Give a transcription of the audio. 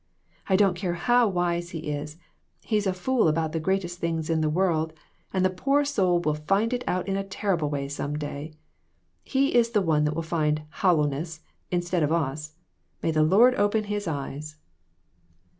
I don't care how wise he is, he's a fool about the greatest thing irf the world, and the poor soul will find it out in a terrible way some day. He is the one that will find 'hollowness.' instead of us. May the Lord open his eyes."